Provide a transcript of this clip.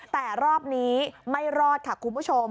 แต่รอบนี้ไม่รอดค่ะคุณผู้ชม